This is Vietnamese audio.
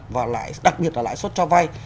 và đặc biệt là lãi suất cho vay